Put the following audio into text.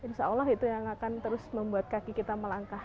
insya allah itu yang akan terus membuat kaki kita melangkah